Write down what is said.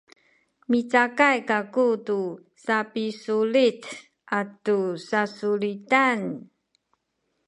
micakay kaku tu sapisulit atu sasulitan